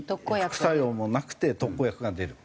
副作用もなくて特効薬が出る。